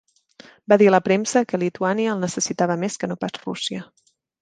Va dir a la premsa que Lituània el necessitava més que no pas Rússia.